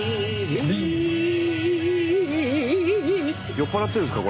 酔っ払ってるんですか？